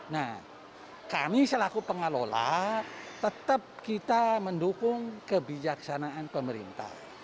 nah kami selaku pengelola tetap kita mendukung kebijaksanaan pemerintah